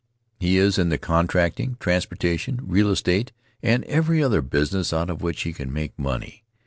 He is in the contracting, transportation, real estate, and every other business out of which he can make money.